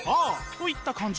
といった感じ。